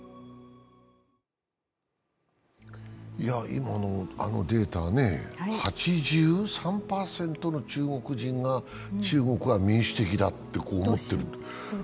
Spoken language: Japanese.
今のあのデータ、８３％の中国人が中国は民主的だと思っていると。